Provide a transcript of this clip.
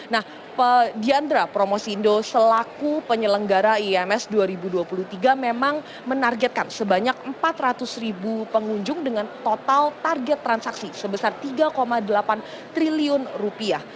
nah diandra promosindo selaku penyelenggara ims dua ribu dua puluh tiga memang menargetkan sebanyak empat ratus ribu pengunjung dengan total target transaksi sebesar tiga delapan triliun rupiah